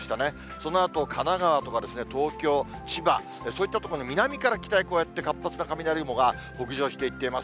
そのあと神奈川とか東京、千葉、そういった所に南から北へ活発な雷雲が北上していっています。